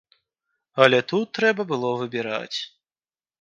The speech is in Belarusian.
Але тут трэба было выбіраць.